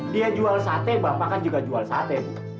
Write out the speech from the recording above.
dia jual sate bapak kan juga jual sate